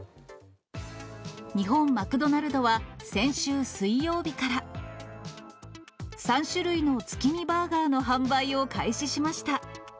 日本マクドナルドは先週水曜日から、３種類の月見バーガーの販売を開始しました。